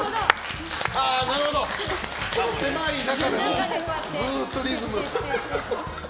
なるほど、狭い中でずっとリズム。